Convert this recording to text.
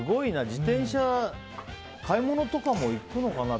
自転車、買い物とかも行くのかな？